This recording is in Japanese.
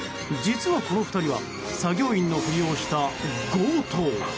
実は、この２人は作業員のふりをした強盗。